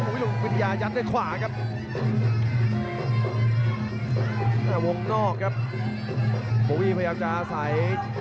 ลูกวิทยายัดด้วยขวาครับแต่วงนอกครับโบวี่พยายามจะอาศัย